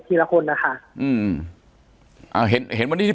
ปากกับภาคภูมิ